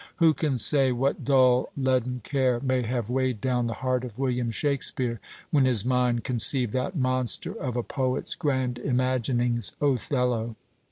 Who can say what dull, leaden, care may have weighed down the heart of William Shakespeare when his mind conceived that monster of a poet's grand imaginings, Othello!